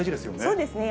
そうですね。